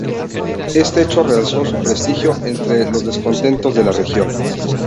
Este hecho realzó su prestigio entre los descontentos de la región.